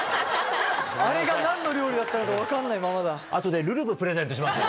あれが何の料理だったのか分かんないままだ。